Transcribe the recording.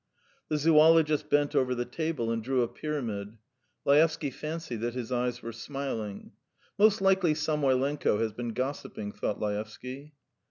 The zoologist bent over the table and drew a pyramid. Laevsky fancied that his eyes were smiling. "Most likely Samoylenko ... has been gossiping," thought Laevsky.